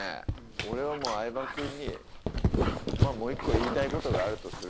俺はもう相葉君にもう１個言いたいことがあるとするなら。